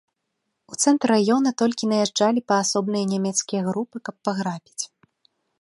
У цэнтр раёна толькі наязджалі паасобныя нямецкія групы, каб паграбіць.